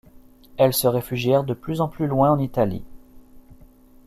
Elles se réfugièrent de plus en plus loin en Italie.